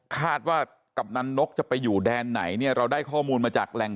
คาดว่ากำนันนกจะไปอยู่แดนไหนเนี่ยเราได้ข้อมูลมาจากแหล่ง